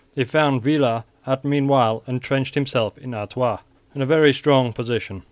They found Villars had meanwhile entrenched himself in Artois in a very strong position.